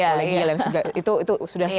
kolegi dan segala macam itu sudah